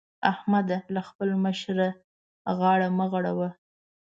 احمده! له خپل مشره غاړه مه غړوه.